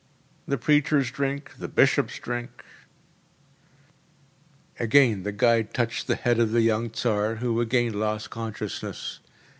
’ The preachers drink, the bishops drink ‚ÄĚ Again the guide touched the head of the young Tsar, who again lost consciousness.